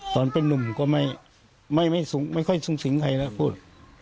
ตอนเป็นนุ่มก็ไม่ค่อยสูงสิงใครนะพูด